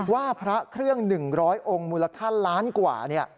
ว่าพระเครื่อง๑๐๐องค์มูลค่าล้านกว่า